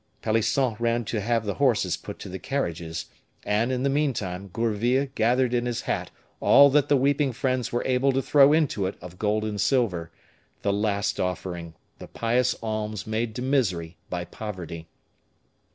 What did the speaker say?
Pelisson ran to have the horses put to the carriages. And, in the meantime, Gourville gathered in his hat all that the weeping friends were able to throw into it of gold and silver the last offering, the pious alms made to misery by poverty.